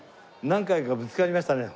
何回かぶつかりましたね